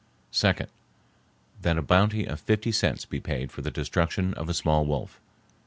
2d.—That a bounty of fifty cents be paid for the destruction of a small wolf, $3.